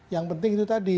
yang penting itu tadi